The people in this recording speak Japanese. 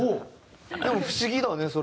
でも不思議だねそれ。